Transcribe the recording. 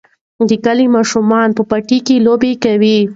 د کلي ماشومان په پټیو کې لوبې کوي.